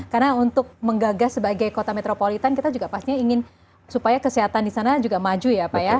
karena untuk menggagas sebagai kota metropolitan kita juga pastinya ingin supaya kesehatan di sana juga maju ya pak ya